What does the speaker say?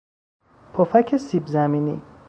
پفک سیب زمینی